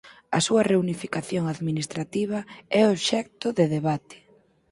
A súa reunificación administrativa é obxecto de debate.